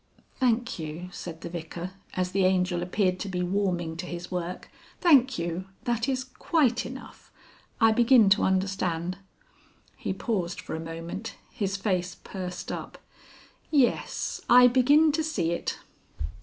"Thank you," said the Vicar as the Angel appeared to be warming to his work; "thank you. That is quite enough. I begin to understand." He paused for a moment, his face pursed up. "Yes ... I begin to see it."